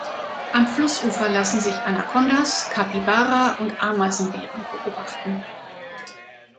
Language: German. Am Flussufer lassen sich Anakondas, Capybara und Ameisenbären beobachten.